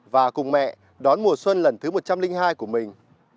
và cùng mẹ đón mùa xuân lần thứ một trăm linh hai của mình